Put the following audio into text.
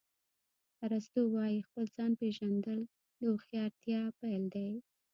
ارسطو وایي خپل ځان پېژندل د هوښیارتیا پیل دی.